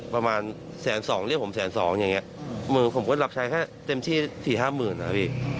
เพราะคือว่าเราไม่ได้ทำ